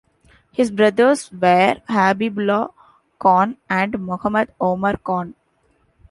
His brothers were Habibullah Khan and Mohammed Omar Khan.